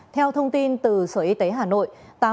theo thông tin từ sở y tế hà nội